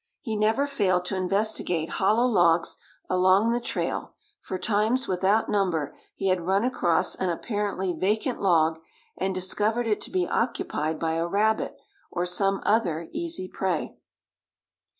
He never failed to investigate hollow logs along the trail, for times without number he had run across an apparently vacant log, and discovered it to be occupied by a rabbit or some other easy prey.